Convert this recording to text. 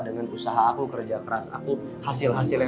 dengan usaha aku kerja keras aku hasil hasil yang ada